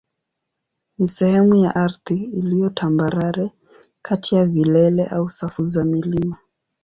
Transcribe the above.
ni sehemu ya ardhi iliyo tambarare kati ya vilele au safu za milima.